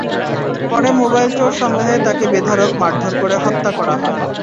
পরে মোবাইল চোর সন্দেহে তাকে বেধড়ক মারধর করে হত্যা করা হয়।